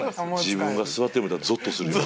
自分が座ってる思たらゾッとするよな。